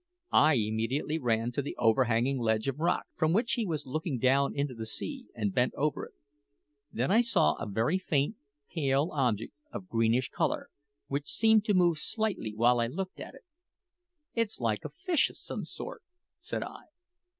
I immediately ran to the overhanging ledge of rock, from which he was looking down into the sea, and bent over it. There I saw a very faint, pale object of a greenish colour, which seemed to move slightly while I looked at it. "It's like a fish of some sort," said I.